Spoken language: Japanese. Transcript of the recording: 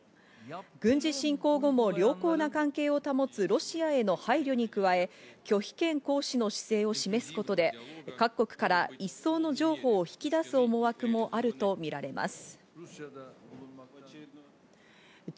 軍事侵攻後も良好な関係を保つロシアへの配慮に加え、拒否権行使の姿勢を示すことで各国から一層の譲歩を引き出す思惑もあるとみられます。